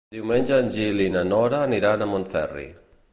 Diumenge en Gil i na Nora aniran a Montferri.